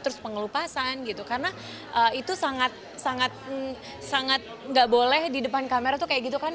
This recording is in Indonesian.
terus pengelupasan gitu karena itu sangat sangat gak boleh di depan kamera tuh kayak gitu kan